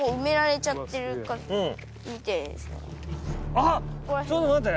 あっちょっと待って。